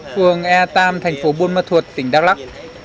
phường e ba thành phố bôn ma thuật tỉnh đắk lắk